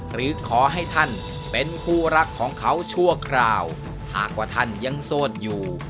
หรือขอให้ท่านเป็นคู่รักของเขาชั่วคราวหากว่าท่านยังโสดอยู่